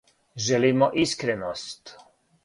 Желимо искреност.